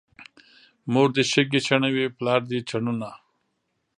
مور دې شګې چڼوي، پلار دې چنونه.